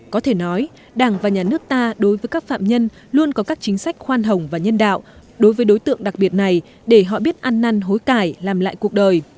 có thể nói đảng và nhà nước ta đối với các phạm nhân luôn có các chính sách khoan hồng và nhân đạo đối với đối tượng đặc biệt này để họ biết ăn năn hối cải làm lại cuộc đời